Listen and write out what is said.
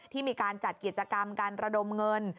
ที่มีการจัดกิจกรรมการระดมเงิน